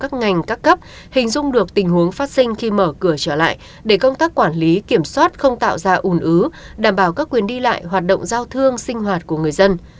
các ngành các cấp hình dung được tình huống phát sinh khi mở cửa trở lại để công tác quản lý kiểm soát không tạo ra ủn ứ đảm bảo các quyền đi lại hoạt động giao thương sinh hoạt của người dân